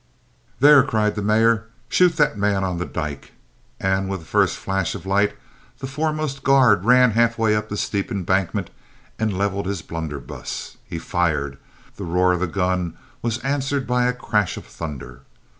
"There," cried the Mayor, "shoot that man on the dyke!" And with the first flash of light the foremost guard ran halfway up the steep embankment and leveled his blunderbuss. He fired. The roar of the gun was answered by a crash of thunder.